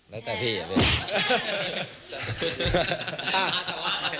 แล้วแต่พี่อะพี่